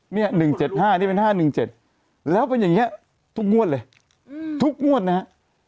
เนี่ย๑๗๕นี่เป็น๕๑๗แล้วเป็นอย่างนี้ทุกงวดเลยทุกงวดนะฮะ